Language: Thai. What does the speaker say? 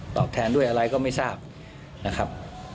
แทนด้วยอะไรก็ไม่ทราบนะครับ